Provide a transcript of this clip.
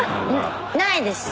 ないです。